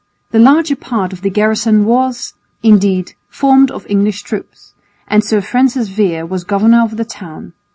The larger part of the garrison was, indeed, formed of English troops, and Sir Francis Vere was governor of the town.